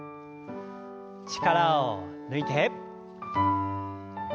力を抜いて。